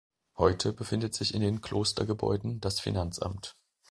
Heute befindet sich in den Klostergebäuden das Finanzamt.